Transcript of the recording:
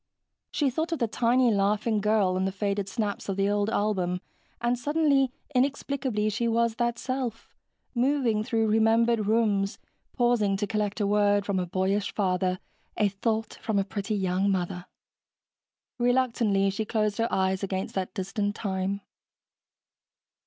She thought of the tiny, laughing girl in the faded snaps of the old album and suddenly, inexplicably, she was that self, moving through remembered rooms, pausing to collect a word from a boyish father, a thought from a pretty young mother. Reluctantly, she closed her eyes against that distant time.